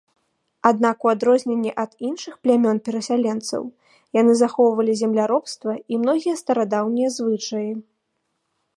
Аднак у адрозненні ад іншых плямён-перасяленцаў, яны захоўвалі земляробства і многія старадаўнія звычаі.